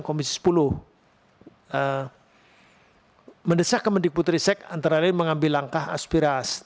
komisi sepuluh mendesak ke mendikbud ristek antara lain mengambil langkah aspirasi